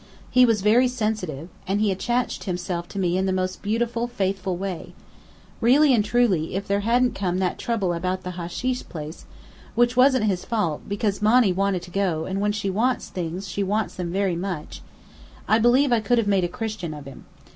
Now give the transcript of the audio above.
He was very sensitive. And he attached himself to me in the most beautiful, faithful way. Really and truly, if there hadn't come that trouble about the hasheesh place (which wasn't his fault, because Monny wanted to go, and when she wants things she wants them very much) I believe I could have made a Christian of him.